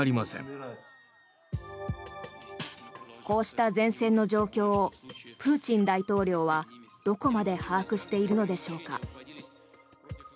こうした前線の状況をプーチン大統領はどこまで把握しているのでしょうか。